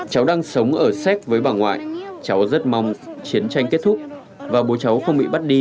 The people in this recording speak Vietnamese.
cháu đang sống ở séc với bà ngoại cháu rất mong chiến tranh kết thúc và bố cháu không bị bắt đi